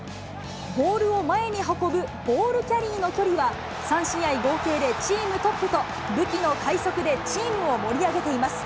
ボールを前に運ぶ、ボールキャリーの距離は３試合合計でチームトップと、武器の快速でチームを盛り上げています。